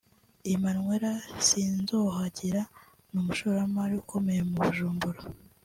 Emmanuel Sinzohagera n’umushoramari ukomeye mu Bujumbura